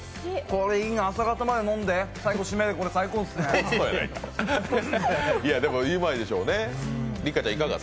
これ、いいな、朝方まで飲んで最後、締めでこれ、最高ですね。